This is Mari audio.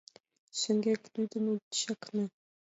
Шеҥгек, лӱдын, ит чакне: